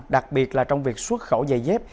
đặc biệt là trong việc xuất khẩu dày dép